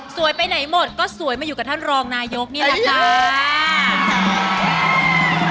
ไปไหนหมดก็สวยมาอยู่กับท่านรองนายกนี่แหละค่ะ